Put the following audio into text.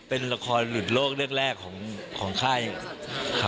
เป็นละครหลุดโลกเรื่องแรกของค่าย